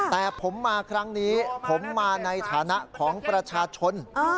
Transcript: แต่ผมมาครั้งนี้ผมมาในฐานะของประชาชน